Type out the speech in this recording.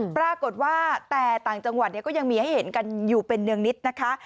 ปรากฏว่าแต่ต่างจังหวัดก็ยังมีให้เห็นกันอยู่เป็นเนืองนิดนะคะ